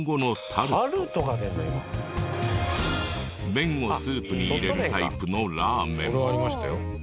麺をスープに入れるタイプのラーメン。